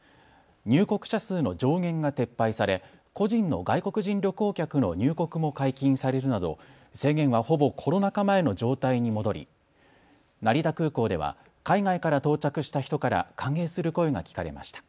入国者数の上限が撤廃され個人の外国人旅行客の入国も解禁されるなど制限はほぼコロナ禍前の状態に戻り成田空港では海外から到着した人から歓迎する声が聞かれました。